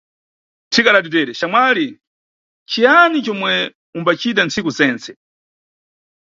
Thika adati tere, xamwali ciyani comwe umbacita tsiku zense?